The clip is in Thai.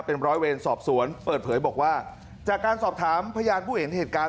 เป็นร้อยเวรสอบสวนเปิดเผยบอกว่าจากการสอบถามพยานผู้เห็นเหตุการณ์